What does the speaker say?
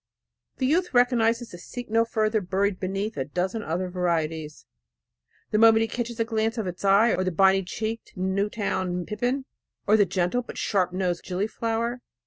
The youth recognizes the seek no further buried beneath a dozen other varieties, the moment he catches a glance of its eye, or the bonny cheeked Newtown pippin, or the gentle but sharp nosed gilliflower.